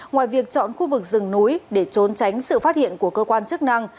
ngoài việc chọn khu vực rừng núi để trốn tránh sự phát hiện của cơ quan chức năng